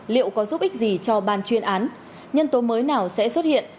liệu có giúp ích gì cho ban chuyên án nhân tố mới nào sẽ xuất hiện